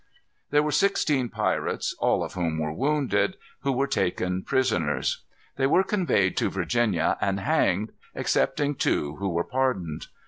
There were sixteen pirates, all of whom were wounded, who were taken prisoners. They were conveyed to Virginia and hanged, excepting two who were pardoned.